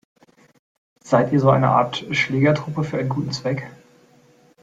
Seid ihr so eine Art Schlägertruppe für den guten Zweck?